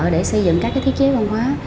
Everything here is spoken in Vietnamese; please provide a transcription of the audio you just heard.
để xây dựng các thiết chế văn hóa